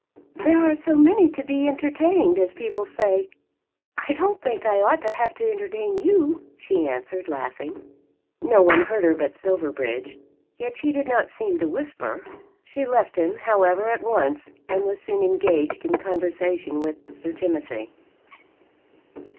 "There are so many to be, entertained, as people say! I don't think I ought to have to entertain you," she answered, laughing. No one heard her but Silverbridge, yet she did not seem to whisper. She left him, however, at once, and was soon engaged in conversation with Sir Timothy.